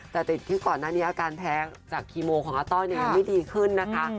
แต่ติดที่ก่อนหน้านี้อาการแพ้จากคีโมของอาต้อยยังไม่ดีขึ้นนะคะ